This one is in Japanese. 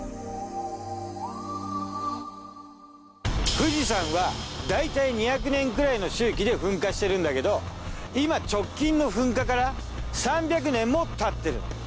富士山はだいたい２００年くらいの周期で噴火してるんだけど今直近の噴火から３００年も経ってる。